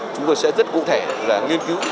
chúng tôi sẽ rất cụ thể là nghiên cứu